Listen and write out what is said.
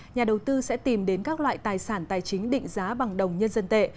nhà đầu tư sẽ tìm đến các loại tài sản tài chính định giá bằng đồng nhân dân tệ